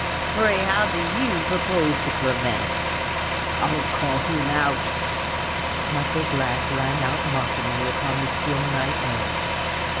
"Pray, how do you propose to prevent it?" "I'll call him out." Arthur's laugh rang out mockingly upon the still night air.